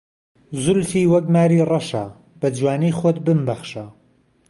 زولفی وهک ماری ڕهشه، به جوانی خۆت بمبهخشه